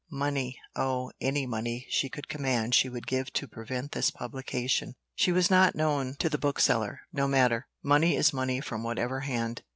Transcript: Money! Oh! any money she could command she would give to prevent this publication. She was not known to the bookseller no matter. Money is money from whatever hand.